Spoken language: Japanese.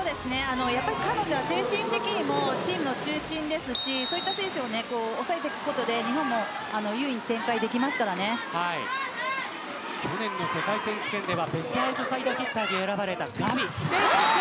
彼女は精神的にもチームの中心ですしそういった選手を抑えることで去年の世界選手権ではベストサイドヒッターに選ばれたガビ。